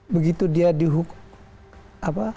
begitu dia dihukum